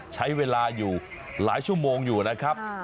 ใช้เวลาอยู่หลายชั่วโมงอยู่นะครับ